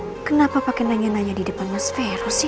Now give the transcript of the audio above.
kenapa pake nanya nanya di depan mas vero sih